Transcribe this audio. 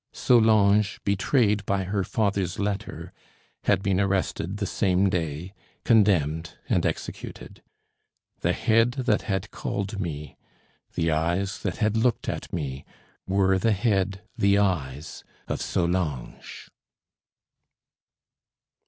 Solange, betrayed by her father's letter, had been arrested the same day, condemned, and executed. The head that had called me, the eyes that had looked at me, were the head, the eyes, of Solange!